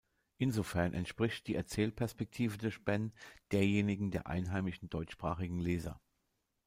Insofern entspricht die Erzählperspektive durch Ben derjenigen der einheimischen deutschsprachigen Leser.